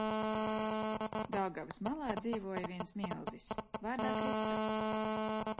Daugavas malā dzīvoja viens milzis, vārdā Kristaps.